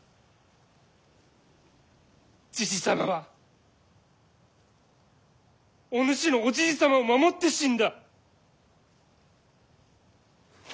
じじ様はお主のおじい様を守って死んだ。